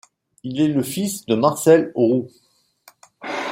Il est le fils de Marcel Roux.